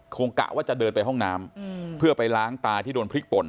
กะว่าจะเดินไปห้องน้ำเพื่อไปล้างตาที่โดนพริกป่น